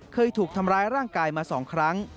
เคยถูกทำร้ายร่างกายมา๒ครั้ง